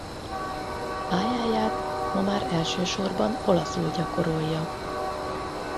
Pályáját ma már elsősorban olaszul gyakorolja.